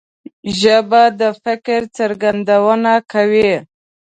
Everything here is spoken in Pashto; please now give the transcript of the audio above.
ژبه د فکر څرګندونه کوي